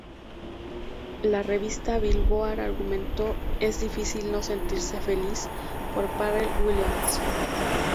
La revista Billboard argumentó ""Es difícil no sentirse feliz por Pharrell Williams.